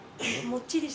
もっちり。